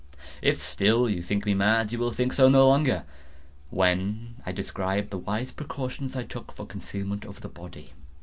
If still you think me mad, you will think so no longer when I describe the wise precautions I took for the concealment of the body.